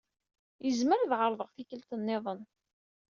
Izmer ad ɛeṛḍeɣ tikkelt nniḍen.